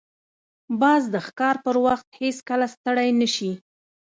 باز د ښکار پر وخت هیڅکله ستړی نه شي